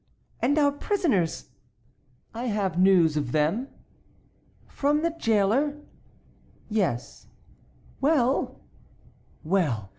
"And our prisoners?" "I have news of them." "From the jailer?" "Yes." "Well?" "Well!